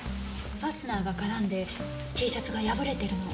ファスナーが絡んでＴシャツが破れてるの。